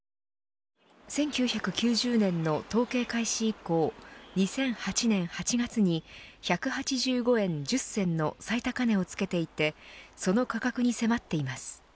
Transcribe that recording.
１９９０年の統計開始以降２００８年８月に１８５円１０銭の最高値をつけていてその価格に迫っています。